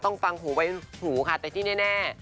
ฟังหูไว้หูค่ะแต่ที่แน่